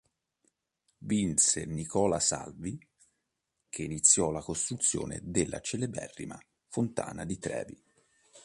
Vinse Nicola Salvi, che iniziò la costruzione della celeberrima Fontana di Trevi.